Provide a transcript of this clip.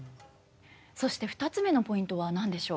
そして２つ目のポイントは何でしょう？